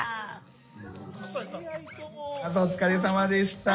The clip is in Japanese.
お疲れさまでした。